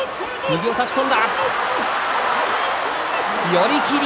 寄り切り。